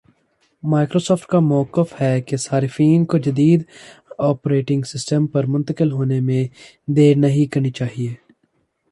Microsoft کا مؤقف ہے کہ صارفین کو جدید آپریٹنگ سسٹم پر منتقل ہونے میں دیر نہیں کرنی چاہیے